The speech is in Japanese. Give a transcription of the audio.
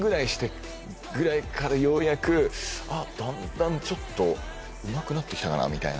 ようやくだんだんちょっとうまくなってきたかなみたいな。